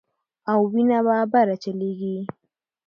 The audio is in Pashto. او وينه به بره چليږي